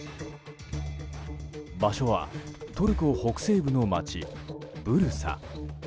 場所はトルコの北西部の町、ブルサ。